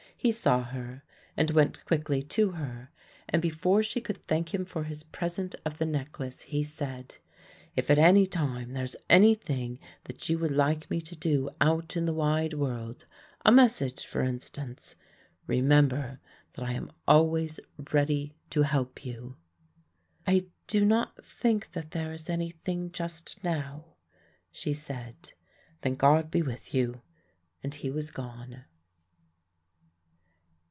He saw her and went quickly to her and before she could thank him for his present of the necklace he said, "If at any time there is anything that you would like me to do out in the wide world, a message for instance, remember that I am always ready to help you." "I do not think that there is anything just now," she said. "Then God be with you," and he was gone.